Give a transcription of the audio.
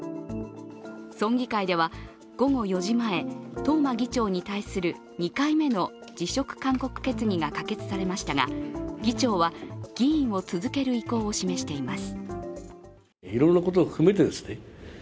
村議会では午後４時前、東間議長に対する２回目の辞職勧告決議が可決されましたが議長は議員を続ける意向を示しています。